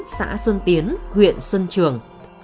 xã xuân tiến huyện xuân trường